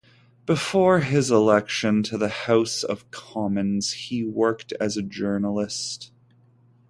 Before his election to the House of Commons he worked as a journalist.